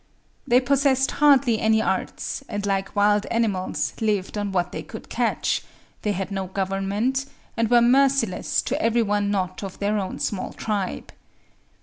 They possessed hardly any arts, and like wild animals lived on what they could catch; they had no government, and were merciless to every one not of their own small tribe.